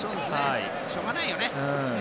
しょうがないよね。